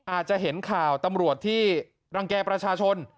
อาจจะเห็นข่าวตำรวจที่รังแก่ประชาชน